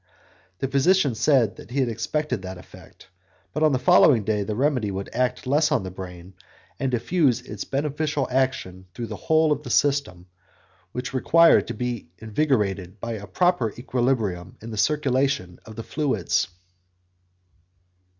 The physician said that he had expected that effect, but that on the following day the remedy would act less on the brain, and diffuse its beneficial action through the whole of the system, which required to be invigorated by a proper equilibrium in the circulation of the fluids.